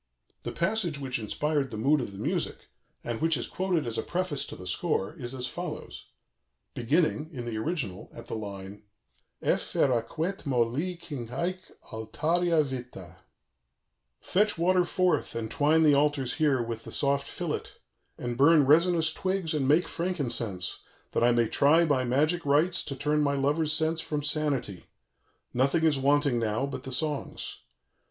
The passage which inspired the mood of the music, and which is quoted as a preface to the score, is as follows (beginning, in the original, at the line Effer aquam, et molli cinge hæc altaria vitta): "Fetch water forth, and twine the altars here with the soft fillet, and burn resinous twigs and make frankincense, that I may try by magic rites to turn my lover's sense from sanity; nothing is wanting now but the songs.